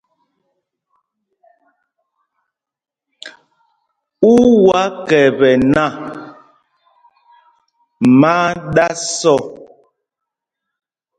U wá kɛpɛ nak, má á ɗǎs ɔ.